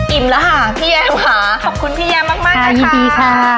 อิ่มแล้วค่ะพี่แยมค่ะขอบคุณพี่แยมมากมากนะคะยินดีค่ะ